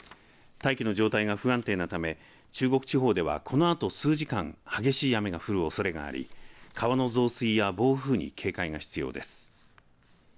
大気の状態が不安定なため中国地方では、このあと数時間激しい雨が降るおそれがあり川の増水や暴風に警戒が必要です。